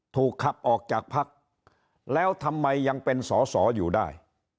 ถูกขับออกจากพักแล้วทำไมยังเป็นสอสออยู่ได้